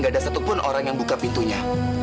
gak ada satupun orang yang buka pintunya